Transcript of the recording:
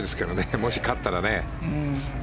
もし勝ったらね。